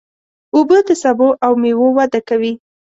اوبه د سبو او مېوو وده کوي.